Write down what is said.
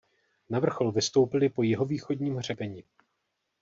Na vrchol vystoupili po jihovýchodním hřebeni.